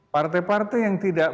partai partai yang tidak